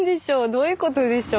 どういうことでしょう。